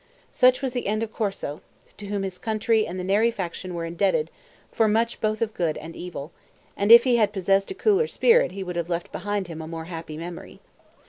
Such was the end of Corso, to whom his country and the Neri faction were indebted for much both of good and evil; and if he had possessed a cooler spirit he would have left behind him a more happy memory.